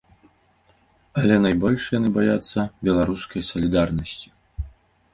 Але найбольш яны баяцца беларускай салідарнасці!